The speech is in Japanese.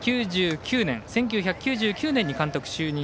１９９９年に監督就任。